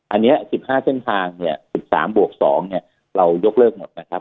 อันนี้๑๕เส้นทาง๑๓บวก๒เรายกเลิกหมดนะครับ